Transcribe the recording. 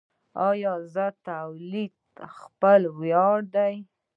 آیا خپل تولید خپل ویاړ دی؟